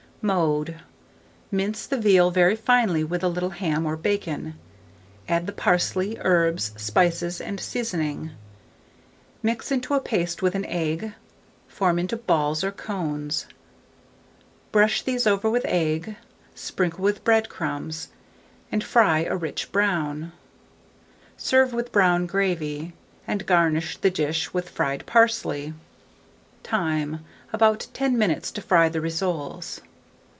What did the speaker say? Mode. Mince the veal very finely with a little ham or bacon; add the parsley, herbs, spices, and seasoning; mix into a paste with an egg; form into balls or cones; brush these over with egg, sprinkle with bread crumbs, and fry a rich brown. Serve with brown gravy, and garnish the dish with fried parsley. Time. About 10 minutes to fry the rissoles.